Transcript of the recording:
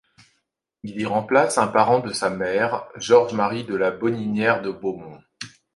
Il y remplace un parent de sa mère, Georges-Marie de La Bonninière de Beaumont.